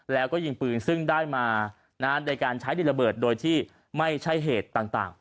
แล้วก็ยิงปืนซึ่งได้มาโดยการใช้ดินระเบิดโดยที่ไม่ใช่เหตุต่าง